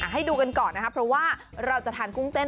ให้ดูกันก่อนนะครับเพราะว่าเราจะทานกุ้งเต้น